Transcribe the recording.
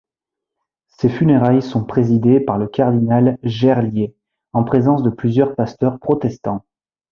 Ses funérailles sont présidées par le cardinal Gerlier, en présence de plusieurs pasteurs protestants.